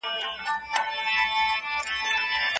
کبابي په خپله چوکۍ باندې ارام ډډه لګولې وه.